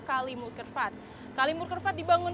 kalimur kervat kalimur kervat dibangun